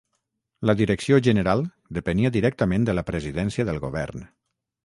La direcció general depenia directament de la Presidència del govern.